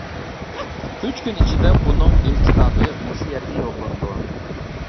ئۈچ كۈن ئىچىدە بۇنىڭ ئېلكىتابى مۇشۇ يەرگە يوللىنىدۇ.